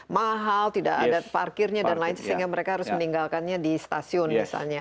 mahal tidak ada parkirnya dan lain sehingga mereka harus meninggalkannya di stasiun misalnya